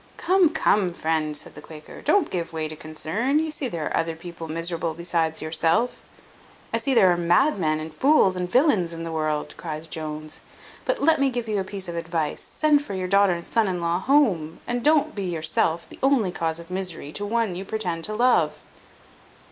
"Come, come, friend," said the Quaker, "don't give way to concern. You see there are other people miserable besides yourself." "I see there are madmen, and fools, and villains in the world," cries Jones. "But let me give you a piece of advice: send for your daughter and son in law home, and don't be yourself the only cause of misery to one you pretend to love."